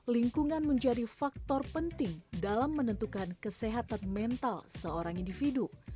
lingkungan menjadi faktor penting dalam menentukan kesehatan mental seorang individu